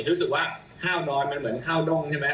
รู้สึกว่าข้าวนอนมันเหมือนข้าวด้งใช่ไหม